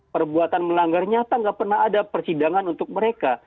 perbuatan melanggar nyata nggak pernah ada persidangan untuk mereka